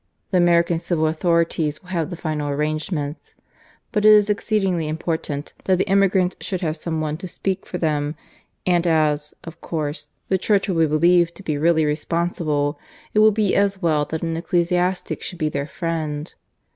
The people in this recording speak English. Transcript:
The American civil authorities will have the final arrangements. But it is exceedingly important that the emigrants should have some one to speak for them; and as, of course, the Church will be believed to be really responsible, it will be as well that an ecclesiastic should be their friend.